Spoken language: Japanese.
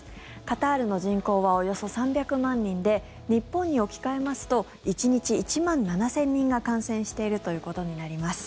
カタールの人口はおよそ３００万人で日本に置き換えますと１日１万７０００人が感染しているということになります。